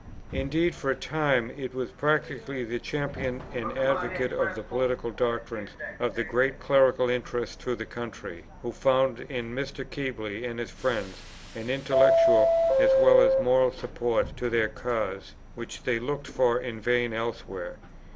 Indeed for a time it was practically the champion and advocate of the political doctrines of the great clerical interest through the country, who found in Mr. Keble and his friends an intellectual, as well as moral support to their cause, which they looked for in vain elsewhere.